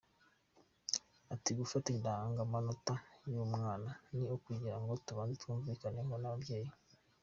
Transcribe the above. Ati “Gufata indangamanota y’umwana ni ukugira ngo tubanze tubyumvikaneho n’ababyeyi.